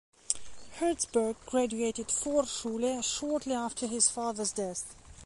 Herzberg graduated Vorschule shortly after his father's death.